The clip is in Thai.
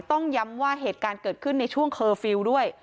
ต้องย้ำว่าเหตุการณ์เกิดขึ้นในช่วงเคอร์ฟิลล์ด้วย